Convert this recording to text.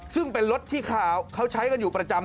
ซึ่งเป็นรถที่เขาใช้กันอยู่ประจำ